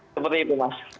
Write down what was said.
seperti itu mas